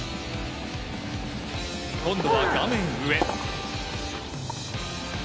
今度は画面上。